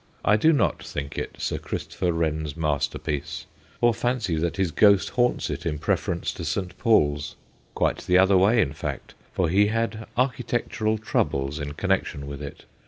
I do not think it Sir Christopher Wren's masterpiece, or fancy that his ghost haunts it in preference to St. Paul's. Quite the other way, in fact, for he had architectural troubles in connection with it.